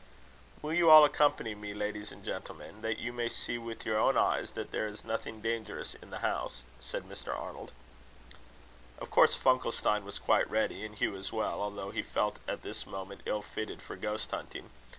"Will you all accompany me, ladies and gentlemen, that you may see with your own eyes that there is nothing dangerous in the house?" said Mr. Arnold. Of course Funkelstein was quite ready, and Hugh as well, although he felt at this moment ill fitted for ghost hunting.